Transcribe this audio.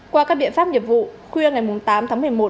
qua các biện pháp nghiệp vụ khuya ngày tám tháng một mươi một